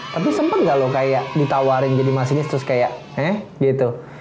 tapi sempat gak loh kayak ditawarin jadi masinis terus kayak gitu